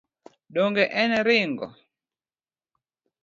Donge en ring’o